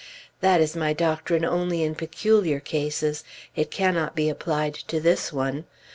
That is my doctrine only in peculiar cases; it cannot be applied to this one.